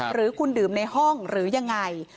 หรือคุณดื่มในห้องหรือยังไง